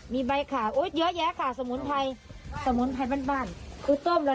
มีใบขาวเยอะแยะค่ะสมุนไพรสมุนไพรบ้านบ้านคือต้มแล้ว